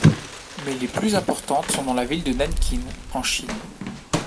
Mais les plus importantes sont dans la ville de Nankin, en Chine.